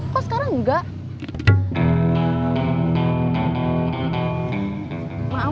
kok sekarang enggak